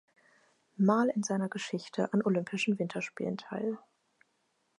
Mal in seiner Geschichte an Olympischen Winterspielen teil.